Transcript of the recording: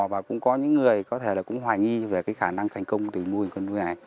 và cũng có những người có thể là cũng hoài nghi về cái khả năng thành công từ nuôi con nuôi này